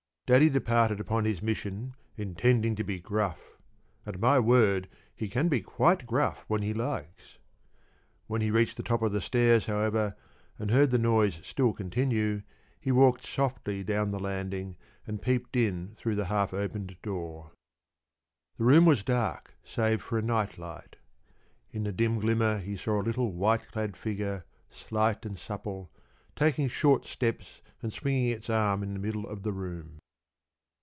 p> Daddy departed upon his mission intending to be gruff, and my word, he can be quite gruff when he likes! When he reached the top of the stairs, however, and heard the noise still continue, he walked softly down the landing and peeped in through the half opened door. The room was dark save for a night light. In the dim glimmer he saw a little white clad figure, slight and supple, taking short steps and swinging its arm in the middle of the room.